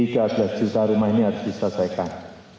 tiga belas juta rumah ini harus diselesaikan